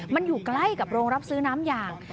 มันอยู่ใกล้กับโรงรับซื้อน้ำยาง